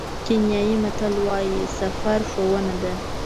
کینیايي متل وایي سفر ښوونه ده.